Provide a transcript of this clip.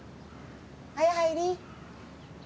はよ入り。